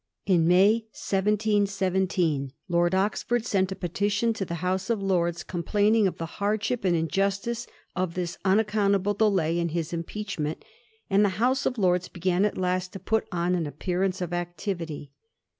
In May 1717, Lord Oxford sent a petition to the House of Lords, complaining of the hardship and injustice of this unaccountable delay in his impeach ment, and the House of Lords began at last to put on an appearance of activity.